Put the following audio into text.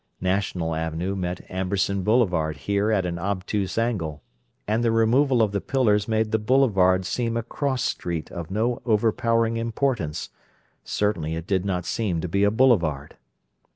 National Avenue met Amberson Boulevard here at an obtuse angle, and the removal of the pillars made the Boulevard seem a cross street of no overpowering importance—certainly it did not seem to be a boulevard!